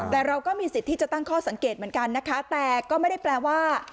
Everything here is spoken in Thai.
แต่เราก็มีสิทธิ์ที่จะตั้งข้อสังเกตเหมือนกันนะคะแต่ก็ไม่ได้แปลว่า